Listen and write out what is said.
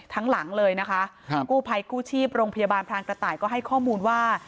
ทั้งหลังเลยนะคะครับกู้ภัยกู้ชีพโรงพยาบาลพรานกระต่ายก็ให้ข้อมูลว่า